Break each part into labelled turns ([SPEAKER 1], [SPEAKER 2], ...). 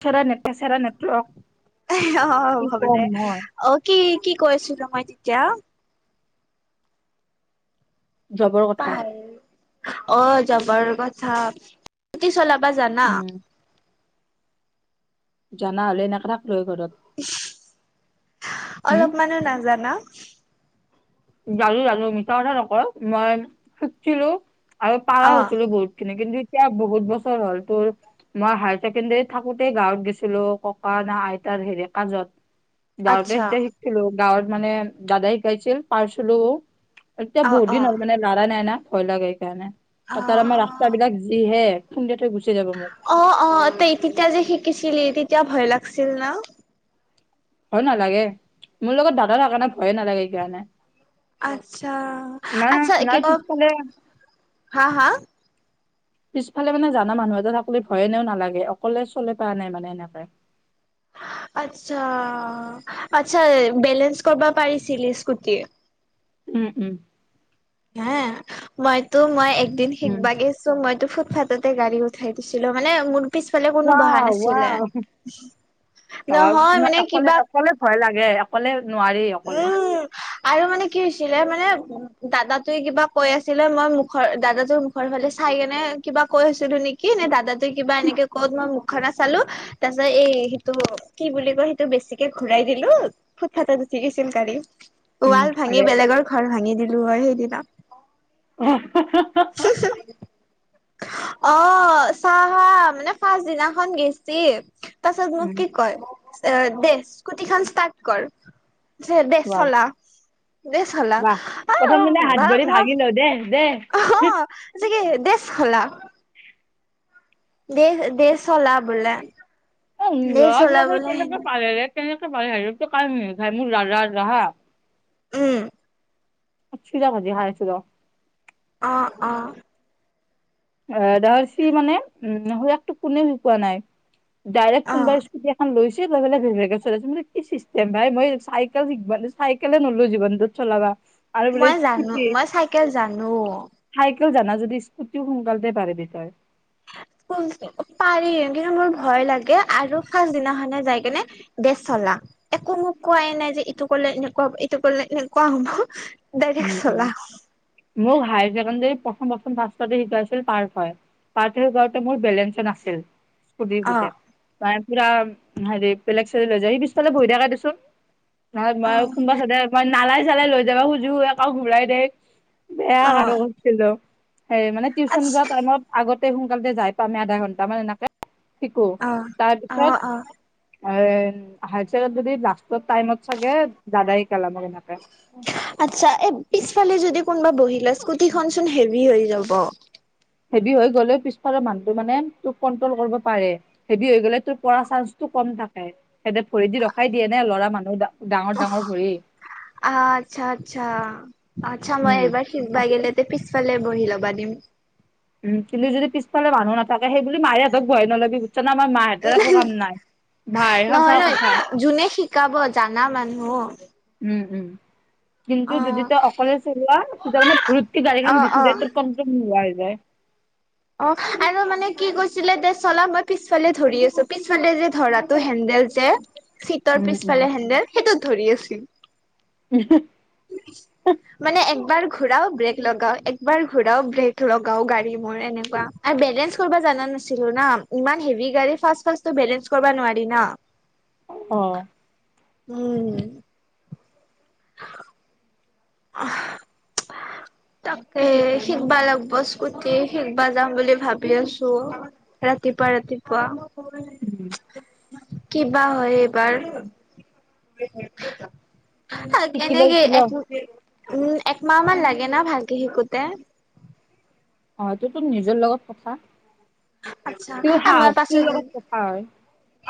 [SPEAKER 1] [unintelligible] Network
[SPEAKER 2] অ',
[SPEAKER 1] কি
[SPEAKER 2] ভাবলে
[SPEAKER 1] কম নহয়।
[SPEAKER 2] অ', কি কি কৈ আছিলোঁ মই তেতিয়া?
[SPEAKER 1] জবৰ কথা
[SPEAKER 2] পাই অ', জবৰ কথা, স্কুতি চলাবা জানা?
[SPEAKER 1] উম জানা হ'লে এনেকে থাকলো হয় ঘৰত। উম
[SPEAKER 2] অলপ মানো নাজানা?
[SPEAKER 1] জানো জানো মিছা কথা নকওঁ মই শিকিছিলো। আৰু পাৰা
[SPEAKER 2] অ',
[SPEAKER 1] হৈছিলো বহুত খিনি কিন্তু এতিয়া বহুত বছৰ হ'ল তোৰ মই হায়াৰ ছেকেণ্ডাৰীত থাকোতেই গাঁৱত গেছিলো ককা না আইতাৰ হেৰি কাজত। গাঁৱতে
[SPEAKER 2] আচ্ছা
[SPEAKER 1] এতিয়া শিকছিলো গাঁৱত মানে দাদা শিকাইছিল পাৰচিলো। এতিয়া
[SPEAKER 2] অ',
[SPEAKER 1] বহুত দিন
[SPEAKER 2] অ',
[SPEAKER 1] হ'ল মানে লাৰাই নাই না, ভয় লাগে সেইকাৰণে আৰু তাতে
[SPEAKER 2] অ',
[SPEAKER 1] আমাৰ ৰাস্তা
[SPEAKER 2] অ',
[SPEAKER 1] বিলাক যিহে। খুন্ধায় থৈ গুচি যাব। মোক
[SPEAKER 2] অ', অ', তই তেতিয়া যে শিকিছিলি তেতিয়া ভয় লাগিছিল ন'?
[SPEAKER 1] ভয় নালাগে, মোৰ লগত দাদা থাকে কাৰণে ভয়ে নালাগে সেইকাৰণে।
[SPEAKER 2] আচ্ছা
[SPEAKER 1] নাই
[SPEAKER 2] আচ্ছা, এই কি
[SPEAKER 1] নাই
[SPEAKER 2] কম,
[SPEAKER 1] পিছফালে
[SPEAKER 2] হা হা?
[SPEAKER 1] পিছফালে মানে জানা মানুহ এটা থাকিলে ভয়ে এনেও নালাগে অকলে চলে পাৱা নাই মানে এনেকে।
[SPEAKER 2] আচ্ছা আচ্ছা বেলেঞ্চ কৰিবা পাৰিছিলি স্কুটি?
[SPEAKER 1] উম, উম।
[SPEAKER 2] হা মইতো মই একদিন
[SPEAKER 1] উম
[SPEAKER 2] শিকবা গে ছোঁ মইতো ফুটফাথতে গাড়ী উঠাই দিছিলো, মানে মোৰ পিছফালে কোনো বহা
[SPEAKER 1] ৱাও
[SPEAKER 2] নাছিলে,
[SPEAKER 1] ৱাও অ
[SPEAKER 2] নহয়
[SPEAKER 1] ন
[SPEAKER 2] মানে
[SPEAKER 1] অকলে
[SPEAKER 2] কিবা
[SPEAKER 1] অকলে ভয় লাগে অকলে নোৱাৰি অকলে।
[SPEAKER 2] উম আৰু মানে কি হৈছিলে মানে দাদাটোৱে কিবা কৈ আছিলে মই মুখৰ দাদাটোৰ মুখৰ ফালে চাই কেনে কিবা কৈ ছিলো নেকি নে দাদা তে কিবা এনেকে ক'ত মই মুখ খনো চালো। তাৰ পিছত এই সিটো কি বুলি কয় সিটো বেছিকে ঘূৰাই দিলো ফুট ফাটত উঠিগিছিল গাড়ী
[SPEAKER 1] উম
[SPEAKER 2] ৱাল ভাঙি
[SPEAKER 1] আৰে
[SPEAKER 2] বেলেগৰ ঘৰ ভাঙি দিলো হয় সেইদিনা।
[SPEAKER 1] অ'। [unintelligible]
[SPEAKER 2] অ', চা হা মানে ফাৰ্ষ্ট দিনাখন গেইছিল। তাৰপিছত মোক
[SPEAKER 1] উম
[SPEAKER 2] কি কয়, দে স্কুটি খান ষ্টাৰ্ট কৰ। দে-দে
[SPEAKER 1] ৱাও
[SPEAKER 2] চলাও। দে চলাও।
[SPEAKER 1] ৱাহ প্ৰথম দিনা হাত ভৰি
[SPEAKER 2] [unintelligible] ম।
[SPEAKER 1] ভাগি লও দে দে
[SPEAKER 2] অঁ', দে কৈছে কি দে চলাও। দে-দে চলাবলে।
[SPEAKER 1] ল'ৰাবিলাকে কেনেকে পাৰে ৰে কেনেকে পাৰে কেনেকে মোৰ খাই মোৰ দাদা ৰাহা [unintelligible]
[SPEAKER 2] উমঁ।
[SPEAKER 1] চিৰা ভাজি খাই আছো ৰ'।
[SPEAKER 2] অঁহ', -অঁহ',।
[SPEAKER 1] অ' দাহৰ চি মানে উম' সেয়াকটো কোনেৱে শিকি পোৱা নাই। ডাইৰেক
[SPEAKER 2] অ
[SPEAKER 1] কোনোবাৰ ইস্কুতি এখন লৈছে। [unintelligible] চলাইছে ম' কি চিষ্টেম ভাই মই চাইকেল শিক চাইকেলে নল'লো জীৱনটোত চলাবা। আৰু বোলে
[SPEAKER 2] মই জানো,
[SPEAKER 1] স্কুটি
[SPEAKER 2] মই চাইকেল জানো।
[SPEAKER 1] চাইকেল জানা যদি স্কুটিও সোনকালে পাৰেবি তই।
[SPEAKER 2] পাৰি কিন্তু মোৰ ভয় লাগে আৰু পাছদিনাখনে যাই কিনে- দে চলাও, একো মোক কোৱাই নাই যে ইটো কৰিলে এনেকুৱা হ'ব, ইটো কৰিলে এনেকুৱা হ'ব। ডাইৰেক্ট
[SPEAKER 1] উম-উম।
[SPEAKER 2] চলা
[SPEAKER 1] মোৰ ভাই যে প্ৰথম-প্ৰথম ফাৰ্ষ্ট শিকাইছিল পাৰ্থ হয়। [unintelligible] গাওঁতে মোৰ বেলেঞ্চ নাছিল।
[SPEAKER 2] অ
[SPEAKER 1] ফু-ফুটে। ত' পুৰা হেৰি বেলেগ চলাই লৈ যায় সি পিছফালে বহি থাকা দে চোন। নহয়,
[SPEAKER 2] অ
[SPEAKER 1] মই কোনোবা কয় চবেই মই নালাই-চালাই লৈ যাবা- আকৌ ঘূৰাই দে বেয়া
[SPEAKER 2] অ
[SPEAKER 1] কামোৰ কৰিছিলো। সেই মানে টিউচন
[SPEAKER 2] আচ্ছা
[SPEAKER 1] যোৱা টাইমত আগতে সোনকালতে যাই পাম আমি আধা ঘন্টামান এনেকে শিকো।
[SPEAKER 2] অ অ
[SPEAKER 1] তাৰপিছত-
[SPEAKER 2] অ
[SPEAKER 1] এই যদি লাষ্টত টাইমত চাগে দাদা আহি সিকাম এনেকে।
[SPEAKER 2] আচ্ছা। এই পিছফালে যদি কোনোবাই বহি লয় ইস্কুটিখন চোন হেভি হৈ যাব।
[SPEAKER 1] হেভি হৈ গ'লেও পিছফালৰ মানুহটো মানে তোক কন্ট্ৰল কৰিব পাৰে। হেভি হৈ গ'লে তোৰ পৰা চান্সটো কম থাকে। সিহঁতে ভৰি দি ৰখাই দিয়ে নে ল'ৰা মানুহ ডাঙৰ-ডাঙৰ ভৰি।
[SPEAKER 2] আচ্ছা-আচ্ছা। আচ্ছা, মই
[SPEAKER 1] উম।
[SPEAKER 2] এইবাৰ শিকব গ'লে- পিছফালে বহি লবা দিম।
[SPEAKER 1] উমঁ, কোনো যদি পিছালে মানুহ নাথাকে সেই বুলি মায়েহঁতক বহাই নলবি। [unintelligible] আমাৰ মাহঁতৰ একো কাম নাই ভাই
[SPEAKER 2] নহয়
[SPEAKER 1] সঁচা কথা।
[SPEAKER 2] নহয় যোনে শিকাব জানা মানুহ
[SPEAKER 1] উমঁ-হুম। কিন্তু
[SPEAKER 2] অ
[SPEAKER 1] যদি তই অকলে চলোৱা তেতিয়া মানে ফুতকে গাড়ীখন
[SPEAKER 2] অ
[SPEAKER 1] গুচি যায়
[SPEAKER 2] অ
[SPEAKER 1] ত' কমপ্লে নোলোৱা হৈ যায়।
[SPEAKER 2] অঁহ', আৰু মানে কি কৈছিলে দে চলা মই পিছফালে ধৰি আছো পিছফালে যে ধৰা- টো হেন্দেল যে চীটৰ
[SPEAKER 1] উম উম
[SPEAKER 2] পিছফালে হেন্দেল সেইটোত ধৰি আছিল।
[SPEAKER 1] হুম-হুম।
[SPEAKER 2] উম। মানে একবাৰ ঘুৰাও ব্ৰেক লগাও, একবাৰ ঘুৰাও ব্ৰেক লগাও, গাড়ী মোৰ এনেকুৱা। আৰু বেলেঞ্চ কৰিব জানা নাছিলো না' ইমান হেভি গাড়ী ফাষ্ট-ফাষ্টটো বেলেঞ্চ কৰিব নোৱাৰি না। [unintelligible]
[SPEAKER 1] অ'।
[SPEAKER 2] উমঁ। [unintelligible] তাকে, শিকবা লাগিব স্কুটি শিকবা যাম বুলি ভাবি আছো। ৰাতিপুৱা-ৰাতিপুৱা।
[SPEAKER 1] উম।
[SPEAKER 2] কিবা হয় এইবাৰ ভাল
[SPEAKER 1] শিকি ল
[SPEAKER 2] এনেকে
[SPEAKER 1] শিকি ল।
[SPEAKER 2] এক উম একমাহ মান লাগে না ভালকে শিকোতে
[SPEAKER 1] অ' ত তো নিজৰ লগত কথা
[SPEAKER 2] আচ্ছা
[SPEAKER 1] তোৰ
[SPEAKER 2] আমাৰ
[SPEAKER 1] সাহস তোৰ
[SPEAKER 2] পাছত
[SPEAKER 1] লগত কথা হয়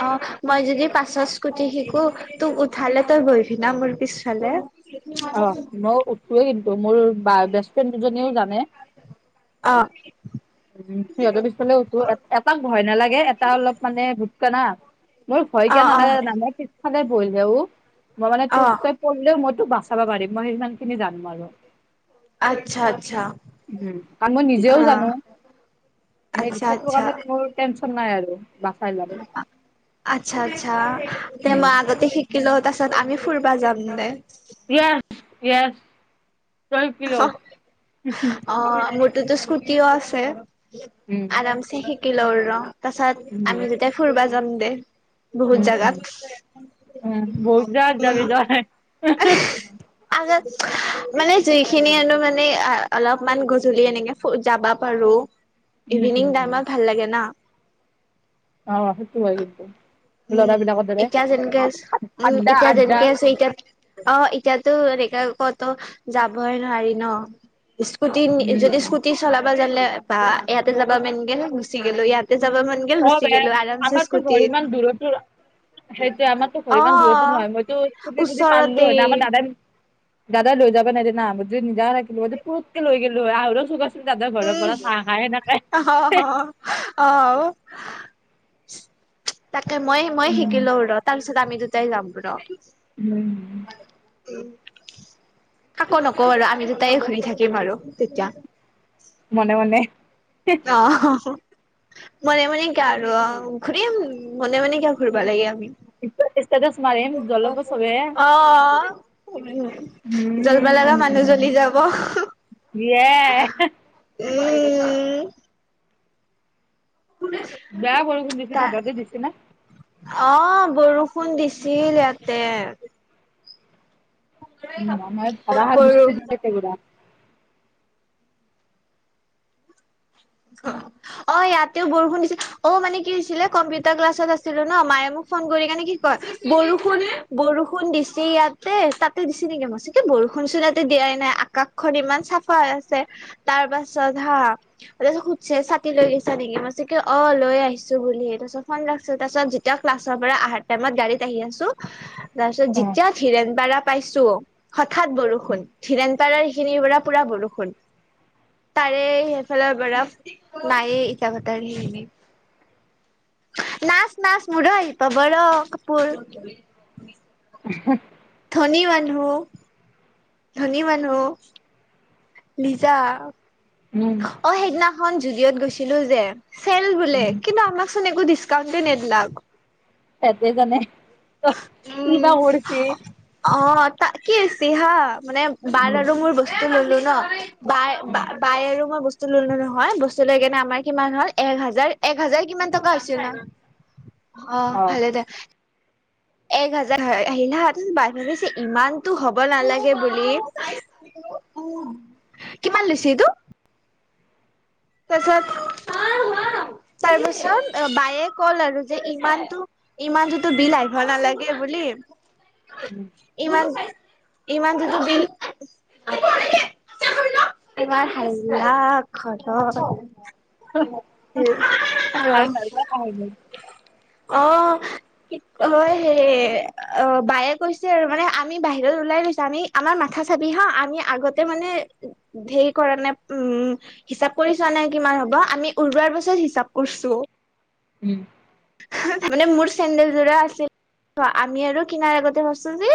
[SPEAKER 2] অ' মই যদি পাছৰ স্কুটি শিকো, তোক উঠালে তই বহিবি না মোৰ পিছফালে?
[SPEAKER 1] অ' মই উঠোৱৱে কিন্তু মোৰ বেষ্ট ফ্ৰেণ্ড দুজনীও জানে।
[SPEAKER 2] অ'।
[SPEAKER 1] উ সিহঁতৰ পিচফালে উঠো, এটাক ভয় নালাগে, এটা অলপ মানে [unintelligible] মোৰ ভয়
[SPEAKER 2] অ
[SPEAKER 1] কিয়া
[SPEAKER 2] অ
[SPEAKER 1] নালাগে জানা? মে পিছফালে বহহেও মই মানে
[SPEAKER 2] অ
[SPEAKER 1] তোক কৰিলেও মইতো বচাব পাৰিম মই সিমান খিনি জানো আৰু।
[SPEAKER 2] আচ্ছা আচ্ছা
[SPEAKER 1] উ কাৰণ মই
[SPEAKER 2] অ
[SPEAKER 1] নিজেও জানো। ন
[SPEAKER 2] আচ্ছা
[SPEAKER 1] বিশটো
[SPEAKER 2] আচ্ছা
[SPEAKER 1] কাৰণত মোৰ টেনচন নাই আৰু বাচাই ল'ম।
[SPEAKER 2] আচ্ছা আচ্ছা তে
[SPEAKER 1] উম।
[SPEAKER 2] মই আতে শ কিল তাছত আমি ফুৰিবা যাম নে।
[SPEAKER 1] [unintelligible]
[SPEAKER 2] ততো স্কুটিও আছে।
[SPEAKER 1] উম।
[SPEAKER 2] চে শিকি লও ৰ তাৰ পাছত
[SPEAKER 1] উম
[SPEAKER 2] আমি যেতিয়া ফুুৰবা যাম দে।
[SPEAKER 1] উম
[SPEAKER 2] বহুত
[SPEAKER 1] উম।
[SPEAKER 2] জাগাত,
[SPEAKER 1] উম বহুত জাগাত
[SPEAKER 2] উ।
[SPEAKER 1] যাবি তই।
[SPEAKER 2] আগ মানে যিখিনিনো মানে অলপমান গজলি এনেকে যাবা পাৰো।
[SPEAKER 1] উম উম
[SPEAKER 2] ইভিনিং
[SPEAKER 1] উম
[SPEAKER 2] টাইমত ভাল লাগে না।
[SPEAKER 1] অ' সতো হাগিত।
[SPEAKER 2] উম এতিয়া যেনেকে আছে উম
[SPEAKER 1] আড্ডা
[SPEAKER 2] এতিয়া
[SPEAKER 1] আড্ডা
[SPEAKER 2] যেনেকে আছে এতিয়া অ' এতিয়াতো এনেক কতো যাবইে নোৱাৰি ন। স্কুটি যদি
[SPEAKER 1] উম।
[SPEAKER 2] স্কুটি চলাবা জানে বা ইয়াতে যাবা মানগে গুচি গেলো ইয়াতে যাবা মান গ
[SPEAKER 1] অ
[SPEAKER 2] গুচি
[SPEAKER 1] বে
[SPEAKER 2] গলো আমছে স্কুটিতত।
[SPEAKER 1] [unintelligible] সেইটোয়ে আমাৰতো ঘৰ
[SPEAKER 2] অ
[SPEAKER 1] ইমান দূৰতো নহয় মইতো ছুটি যদি পাললো
[SPEAKER 2] ওচৰতে
[SPEAKER 1] হয় ন আমাৰ দাদাই। দাদা লৈ যাবা নাই জানা যদি নিজা নাকিলো পতকে লৈ গ' হয় আহ চু দাদৰ ঘৰৰ
[SPEAKER 2] উম
[SPEAKER 1] পৰা চাহ খাইে
[SPEAKER 2] অ
[SPEAKER 1] নাপায়।
[SPEAKER 2] অ'। তাকে মই মই
[SPEAKER 1] উম
[SPEAKER 2] শিকিলো ৰ তাৰ পিছত আমি দুটাই যাম ৰ।
[SPEAKER 1] উম।
[SPEAKER 2] উম। কাকো নকওঁ বাৰ আমি দুটাই ঘূৰি থাকিম আৰু তেতিয়া।
[SPEAKER 1] মনে মনে।
[SPEAKER 2] আহ। মনে মনে কিয় আৰু অ' ঘূৰিম মনে মনে কিয় ঘুৰিবা লাগে আমি।
[SPEAKER 1] [unintelligible]
[SPEAKER 2] উ জ্বলব লগা মানুহ জ্বলি যাব।
[SPEAKER 1] এই
[SPEAKER 2] উম।
[SPEAKER 1] বেয়া
[SPEAKER 2] তা
[SPEAKER 1] [unintelligible]
[SPEAKER 2] অ' বৰষুণ দিছিল ইয়াতে।
[SPEAKER 1] ওম-
[SPEAKER 2] বৰষুণ অ ইয়াতেও বৰষুণ দিছিল অ মানে কি হৈছিলে কম্পিউটাৰ ক্লাছত আছিলো ন মায়ে মোক- ফোন কৰি কেনে কি কয় বৰষুণ বৰষুণ দিছেি ইয়াতে তাতে দিছে নেকি মই- এ বৰষুণ চুণ এয়াতে দিয়াই নাই আকাশখন ইমান চাফা হৈ আছে। তাৰ পাছত হাঁ। তাৰে উদ চেই চাতি লৈই আহিচা নেকি মা চ কি অ লৈ আহিছো বুলিহে তাৰপিছত ফন ৰাখিছে তাৰ পিছত- তেতিয়া ক্লাছৰ পৰা অহাৰ টাইমত গাড়ীত আহি আছো তাৰ পিছত
[SPEAKER 1] অ
[SPEAKER 2] যেতিয়া ধীৰেণ পাৰা- পাইছো হঠাত বৰষুণ ধিৰেণ পাৰাৰ এইখিনিৰ পৰা পুৰা বৰষুণ। তাৰে সেইফালৰ বৰা নায়ে ইটা ভটাৰ সেইখিনি। নাচ নাচ মোৰো আহি পাব ৰ কাপোৰ -
[SPEAKER 1] উহো-
[SPEAKER 2] ধনী মানুহ। ধুনী মানুহ। লিজা।
[SPEAKER 1] উমঁ।
[SPEAKER 2] অঁ সেইদিনাখন জুডিঅ'ত গৈছিলো যে, - চেল বোলে
[SPEAKER 1] উম
[SPEAKER 2] কিন্তু আমাক চোন একো ডিচকাউণ্ট নিদিলে আক-
[SPEAKER 1] সেহঁতেহে জানে কিবা কৰিছে।
[SPEAKER 2] অঁ তা কি হৈছে হা মানে বা
[SPEAKER 1] উম
[SPEAKER 2] আৰু মোৰ বস্তু ললো ন। বাই
[SPEAKER 1] উম
[SPEAKER 2] বা- বাই আৰু মই বস্তু ললো নহয়, বস্তু লৈ কেনে আমাৰ কিমান হ'ল এক হাজাৰ এক হাজাৰ কিমান টকা হৈছিল ন। অঁ
[SPEAKER 1] অ।
[SPEAKER 2] ভালে দে। এক হাজাৰ হয়ঁ আহিল হা বাই ভাবিছে ইমানতো হ'ব নালাগে বুলি। কিমান লৈছে এটো? তাৰ পিছত। তাৰ পিছত বায়ে ক'লে আৰু যে ইমানটো- ইমানটোতো বিল আহিব নালাগে বুলি।
[SPEAKER 1] উমঁ-
[SPEAKER 2] ইমান ইমানতো বিল- ইমান হাল্লা ঘৰত
[SPEAKER 1] ভাল ভাল পাই খাই মোৰ।
[SPEAKER 2] - অঁ- হয়ঁ সেয়ে অ' বায়ে কৈছে আৰু মানে আমি বাহিৰত ওলাই গৈছো আমি - আমাৰ মাথা চাবি হা আমি আগতে মানে ধেৰি কৰা নে উমঁ- হিচাপ কৰি চোৱা নাই কিমান হ'ব আমি উলোৱাৰ পাছত হিচাপ কৰিছোঁ।
[SPEAKER 1] ওম!
[SPEAKER 2] মানে মোৰ চেন্দেল যোৰা আছিল। আমি আৰু কিনাৰ আগতে ভাবিছো যে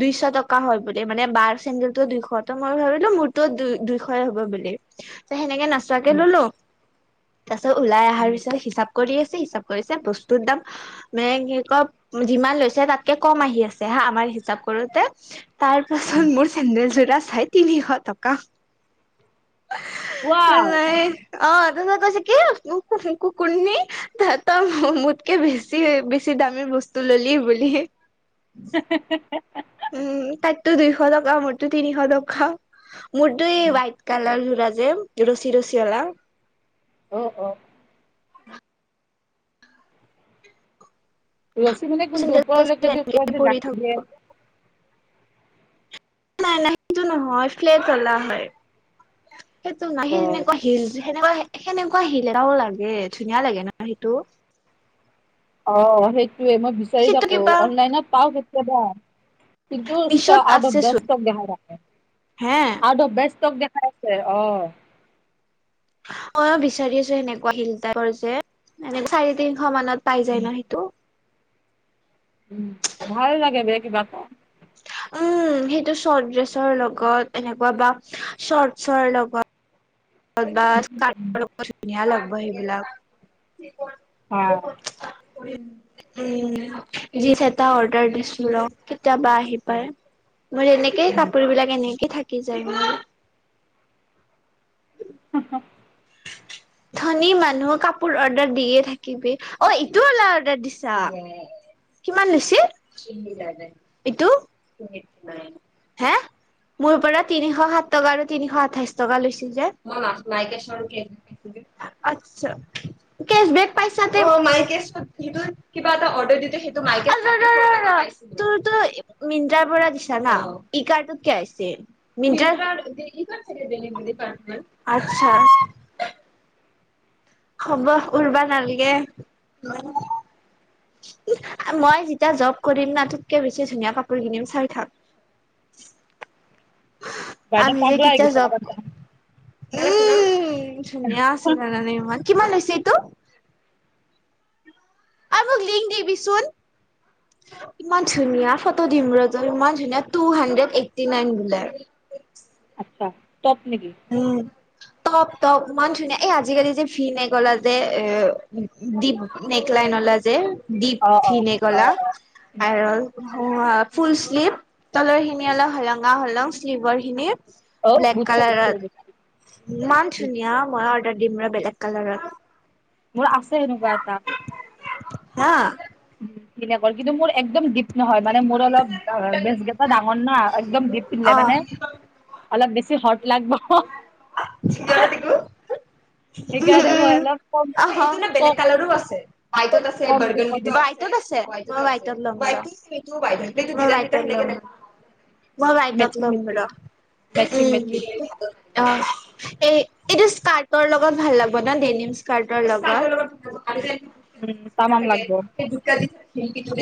[SPEAKER 2] দুইশ টকা হ'ল বুলি, মানে বাৰ চেন্দেল ও দুইশ। মই ভাবিলো মোৰটোও দুই দুইশয় হ'ব বুলি। ত সেনেকে নাচি - তাকে
[SPEAKER 1] উম
[SPEAKER 2] ললোঁ তাৰপিছত ওলাই অহাৰ
[SPEAKER 1] উম
[SPEAKER 2] পিছত হিচাপ কৰি আছে হিচাপ কৰি- যে বস্তুৰ দাম- মে কি ক যিমান লৈছে তাতকে কম আহি আছে হা আমাৰ হিচাপ কৰোতে। তাৰ পাছত
[SPEAKER 1] উম।
[SPEAKER 2] মোৰ চেণ্ডেল জোৰা চাই তিনিশ টকা।
[SPEAKER 1] ৱাও।
[SPEAKER 2] তাৰপিছত এই অ তাৰছেত কি কুকুনী তা- ত‌ই মোতকে বেছি বেছি দামী বস্তু ললি বুলি।
[SPEAKER 1] হে হে হে।
[SPEAKER 2] উমঁ তাইৰতো দুইশ টকা মোৰতটো তিনিশ টকা। মোৰটো হোৱাইট কালাৰ যোৰা যে ৰছি ৰছি অৰা।
[SPEAKER 1] অ' অ'। ৰছী মানে কোনটো
[SPEAKER 2] চেন্দেল
[SPEAKER 1] ওপৰলৈকে যে ওপৰত যে
[SPEAKER 2] পৰি
[SPEAKER 1] গাঠি
[SPEAKER 2] থকা
[SPEAKER 1] থাকে।
[SPEAKER 2] নাই নাই সেইটো নহয় ফ্লেট অলা হয়, সেইটো নাই সি
[SPEAKER 1] অ।
[SPEAKER 2] তেনেকুৱা হিল যে, সেনেকুৱা, সেনেকুৱা হিল এটাও লাগে ধুনীয়া লাগে ন সেইটো।
[SPEAKER 1] অ' সেইটোৱে মই বিচাৰি
[SPEAKER 2] সেইটো
[SPEAKER 1] থাকো
[SPEAKER 2] কিবা
[SPEAKER 1] অনলাইনত পাওঁ কেতিয়াবা। সিটো
[SPEAKER 2] মিছত আছে চোন
[SPEAKER 1] দেখাই ৰাে
[SPEAKER 2] হে
[SPEAKER 1] আউ অফ বেষ্টটক দেখাই অ'
[SPEAKER 2] অ' বিচাৰি আছো সেনেকুৱা হিল তাইপৰ যে মান চাৰি তিনিশ মানত পাই যায়
[SPEAKER 1] উম,
[SPEAKER 2] ন সেইটো।
[SPEAKER 1] উম্ ভাল লাগে বে কিবা এটা।
[SPEAKER 2] উম্ সেইটো চৰ্ট ড্ৰেছৰ লগত, এনেকুৱা বা চৰ্টছৰ লগত। বা চাটৰ লগত ধুনীয়া লাগিব সেইবিলাক।
[SPEAKER 1] অ'
[SPEAKER 2] জিনচ্ এটা অৰ্ডাৰ দিছো ৰ কেতিয়া বা আহি পাই। মোৰ এনেকেই কাপোৰ বিলাক এনেকেই থাকি যায় মোৰ।
[SPEAKER 1] হ।
[SPEAKER 2] ধনী মানুহ কাপোৰ অৰ্ডাৰ দিয়ে থাকিবি। অ' ইটো ওলা অৰ্ডাৰ দিছা। কিমান লৈছিল, ইটো, হে। মোৰ পৰা তিনিশ সাত টকা, আৰু তিনিশ আঠাইশ টকা লৈছিল যে। আচ্ছা, কেচ বেক পাইচা ম কেব। কিবা এটা অৰ্ডাৰ দি সেইটো মাইকে অ ৰ ৰ ৰ টোৰ টোৰ। মিনটাৰ পৰা দিছা না ই কাৰটোত কি আহিছে। মিনটাৰ আচ্ছা। হ'ব উৰবা নালাগে। মই যেতিয়া জব কৰিম না ততকে বেছি ধুনীয়া কাপোৰ কিনিম চাই থাক।
[SPEAKER 1] বাইদেউ
[SPEAKER 2] আমি যে
[SPEAKER 1] পাগলা হৈ
[SPEAKER 2] কিয়াও
[SPEAKER 1] গৈছে
[SPEAKER 2] জব।
[SPEAKER 1] কাৰোবাৰ কাৰণে।
[SPEAKER 2] উম ধুনীয়া আছে জানানে ইমান কিমান লৈছে এইটো। মোক লিংক দিবিচোন। ইমান ধুনীয়া ফটো দিম ৰ তোৰ ইমান ধুনীয়া টু হাড্ৰেড এইট্টি নাইন বোলে।
[SPEAKER 1] আচ্ছা টপ নেকি।
[SPEAKER 2] উম। তপ তপ ইমান ধুনীয়া এই আজিকালি যে ভিনে গলা যে এ দ্বীপ। নেক লাইন অলা যে ডীপ
[SPEAKER 1] অ', অ',
[SPEAKER 2] ভিনে গলা
[SPEAKER 1] অ', অ'। উম।
[SPEAKER 2] আৰল। অ ফুল শ্লিভ তলৰ খিনি অলপ হলঙা হলঙা হলেও শ্লিভৰ খিনি।
[SPEAKER 1] অ
[SPEAKER 2] ব্লেক
[SPEAKER 1] বুজছো বুজিছো
[SPEAKER 2] কালাৰত
[SPEAKER 1] বুজিছো।
[SPEAKER 2] ইমান ধুনীয়া ময়ো অৰ্ডাৰ দিম ৰ বেলেগ কালাৰৰ।
[SPEAKER 1] মোৰ আছে এনেকুৱা এটা।
[SPEAKER 2] হা।
[SPEAKER 1] উ সনে কিন্তু মোৰ একদম দীপ। নহয় মানে মোৰো অলপ আ বেছ গেইটা ডাঙৰ না একদম দিপনলে মানে। অলপ বেছি হট লাগব।
[SPEAKER 2] চঞ দি কো। উম
[SPEAKER 1] সেইকাৰণে মই
[SPEAKER 2] উম
[SPEAKER 1] অলপ কম
[SPEAKER 2] আহোঁ মানে বেলেগ
[SPEAKER 1] কম
[SPEAKER 2] কালৰো আছে মইটত আছে
[SPEAKER 1] কম
[SPEAKER 2] বৰগড।
[SPEAKER 1] কম
[SPEAKER 2] ত আছে মই হোৱাইট লম। মই ৱাইডত
[SPEAKER 1] মেচিং
[SPEAKER 2] লম উম।
[SPEAKER 1] মেচিং মেচিং
[SPEAKER 2] অ'
[SPEAKER 1] মেচিং
[SPEAKER 2] এই এইটো স্কাৰ্ত ৰ লগত ভাল লাগিব ন ডেনিম স্কাৰ্তৰ লগত। [unintelligible]